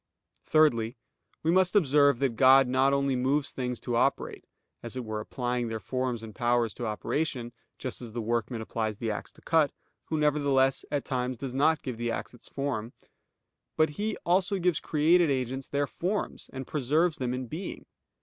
Thirdly, we must observe that God not only moves things to operate, as it were applying their forms and powers to operation, just as the workman applies the axe to cut, who nevertheless at times does not give the axe its form; but He also gives created agents their forms and preserves them in being.